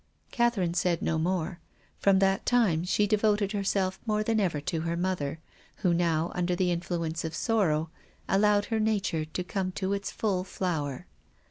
Catherine said no more. From that time she devoted herself more than ever to her mother, who now, under the influence of sorrow, allowed her nature to come to its full flower.